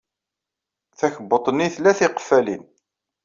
Takebbuḍt-nni tla tiqeffalin.